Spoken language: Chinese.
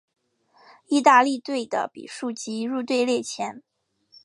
意大利队的比数及入球列前。